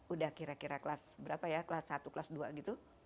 udah kira kira kelas berapa ya kelas satu kelas dua gitu